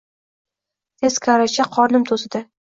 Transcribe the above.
Teskarichi qonim qo’zidi.